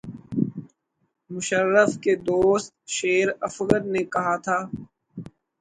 مشرف کے دوست شیرافگن نے کہا تھا